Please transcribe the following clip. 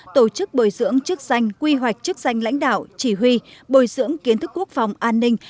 tổ chức bồi dưỡng chức danh quy hoạch chức danh lãnh đạo chỉ huy bồi dưỡng kiến thức quốc phòng an ninh